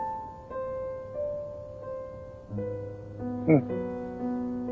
うん。